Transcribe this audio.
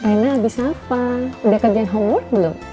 hehehe reina abis apa udah kerjaan homework belum